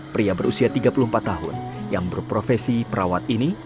pria berusia tiga puluh empat tahun yang berprofesi perawat ini